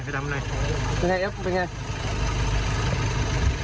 เป็นไงเป็นไง